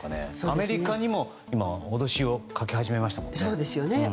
アメリカにも脅しをかけ始めましたよね。